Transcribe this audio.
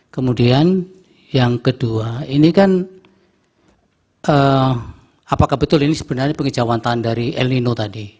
kemudian yang kedua ini kan apakah betul ini sebenarnya penghijauan tahan dari lnu tadi